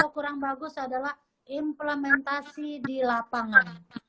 kurang bagus adalah implementasi di lapangan